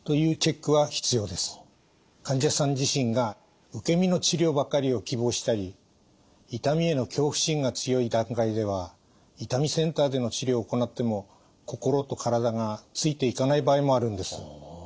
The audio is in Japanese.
患者さん自身が受け身の治療ばかりを希望したり痛みへの恐怖心が強い段階では痛みセンターでの治療を行っても心と体がついていかない場合もあるんです。